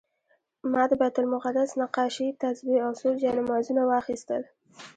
ما د بیت المقدس نقاشي، تسبیح او څو جانمازونه واخیستل.